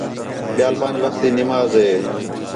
ٻِیال پنڄ وخت تی نماز ہے